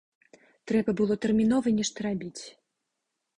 Трэба было тэрмінова нешта рабіць.